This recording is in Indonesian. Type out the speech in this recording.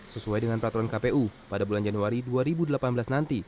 sesuai dengan peraturan kpu pada bulan januari dua ribu delapan belas nanti